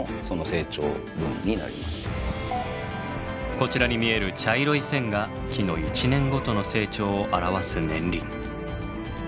こちらに見える茶色い線が木の１年ごとの成長を表す年輪。